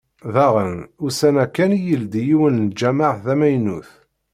Daɣen, ussan-a kan i yeldi yiwen n lǧamaɛ d amaynut.